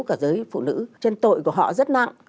cả giới phụ nữ cho nên tội của họ rất nặng